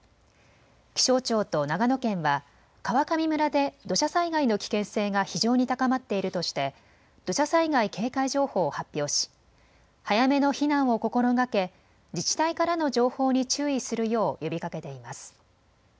気象庁と長野県は川上村で土砂災害の危険性が非常に高まっているとして土砂災害警戒情報を発表し早めの避難を心がけ自治体からの情報に注意するよう呼びかけています。